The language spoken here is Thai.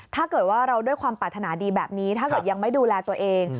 ถ้าเกิดว่าเราด้วยความปรารถนาดีแบบนี้ถ้าเกิดยังไม่ดูแลตัวเอง